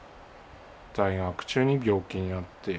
在学中に病気になって。